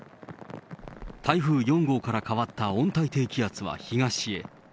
台風４号から変わった温帯低気圧は東へ。